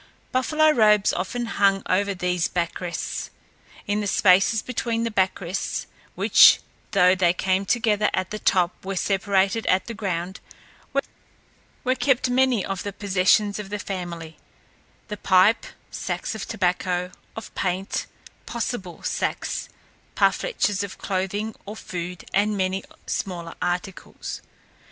Buffalo robes often hung over these back rests. In the spaces between the back rests, which though they came together at the top were separated at the ground, were kept many of the possessions of the family; the pipe, sacks of tobacco, of paint, "possible sacks" parfleches for clothing or food, and many smaller articles.